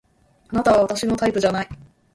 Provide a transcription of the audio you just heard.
あなたは私のタイプじゃない